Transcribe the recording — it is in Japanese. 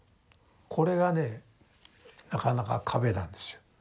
これがねなかなか壁なんですよ。